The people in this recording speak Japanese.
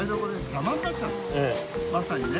まさにね。